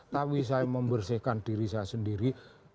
tapi saya membersihkan diri saya sendiri